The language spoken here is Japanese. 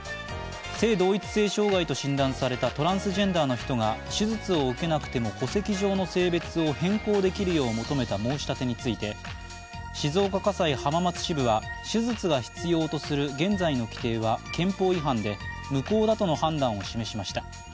性同一性障害と診断されたトランスジェンダーの人が手術を受けなくても戸籍上の性別を変更できるよう求めた申し立てについて、静岡家裁浜松支部は手術が必要とする現在の規定は憲法違反で無効だとの判断を示しました。